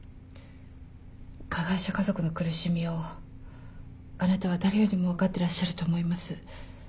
加害者家族の苦しみをあなたは誰よりも分かってらっしゃると思います。